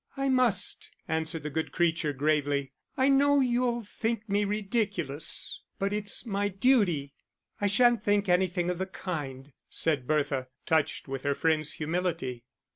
"I must," answered the good creature, gravely. "I know you'll think me ridiculous, but it's my duty." "I shan't think anything of the kind," said Bertha, touched with her friend's humility.